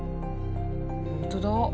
本当だ。